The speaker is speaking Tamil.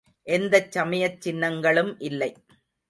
எந்தச் சமயச் சின்னங்களும் இல்லை.